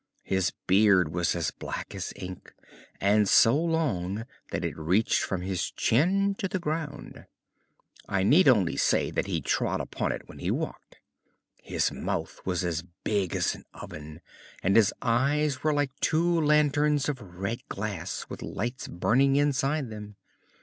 His beard was as black as ink, and so long that it reached from his chin to the ground. I need only say that he trod upon it when he walked. His mouth was as big as an oven, and his eyes were like two lanterns of red glass with lights burning inside them.